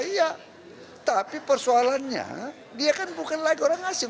iya tapi persoalannya dia kan bukan lagi orang asing